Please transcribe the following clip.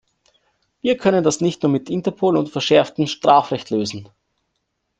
Wir können das nicht nur mit Interpol und verschärftem Strafrecht lösen.